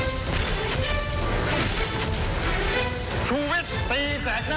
ทีนี้ดูรายละเอียดลงรายละเอียดกันหน่อยดีไหมคะ